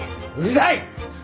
うるさい！